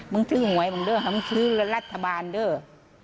มึงถือหวยมึงเนอะมึงถือรัฐบาลเนอะ